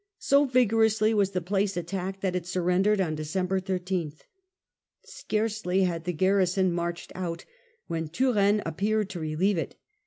So vigorously was the place attacked that it surrendered on Dec. 13. Scarcely had the garrison marched out when Turenne appeared to relieve it.